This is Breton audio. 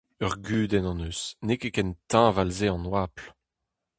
Ur gudenn hon eus : n'eo ket ken teñval se an oabl.